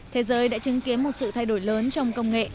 thế giới đã chứng kiến một sự thay đổi lớn trong công nghệ